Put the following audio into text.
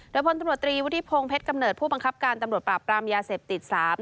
โดยพลตำรวจตรีวุฒิพงศ์เพชรกำเนิดผู้บังคับการตำรวจปราบปรามยาเสพติด๓